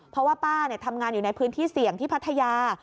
เพราะว่าป้าทำงานอยู่ในพื้นที่เสี่ยงที่พัทยา